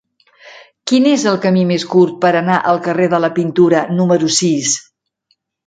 Quin és el camí més curt per anar al carrer de la Pintura número sis?